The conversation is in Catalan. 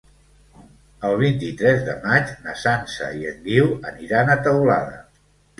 El vint-i-tres de maig na Sança i en Guiu aniran a Teulada.